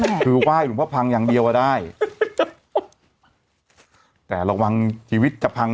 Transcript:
อาทิตย์อุงหว้ายว่าพังอย่างเดียวอ่ะได้แต่ระวังชีวิตจะพัง